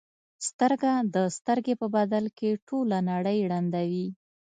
سترګه د سترګې په بدل کې ټوله نړۍ ړندوي.